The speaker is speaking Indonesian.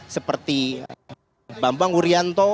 seperti bambang urianto